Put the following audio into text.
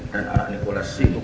dan anak nikolasin